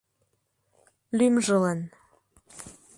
Лӱмжылан.